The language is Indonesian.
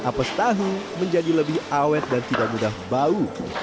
apes tahu menjadi lebih awet dan tidak mudah bau